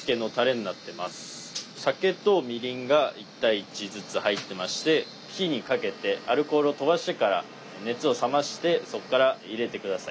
酒とみりんが１：１ずつ入ってまして火にかけてアルコールを飛ばしてから熱を冷ましてそこから入れて下さい。